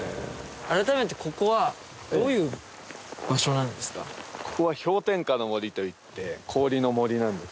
改めてここは氷点下の森といって氷の森なんです